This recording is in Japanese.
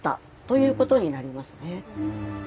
ということになります。